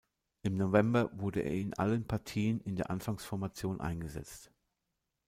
Im November wurde er in allen Partien in der Anfangsformation eingesetzt.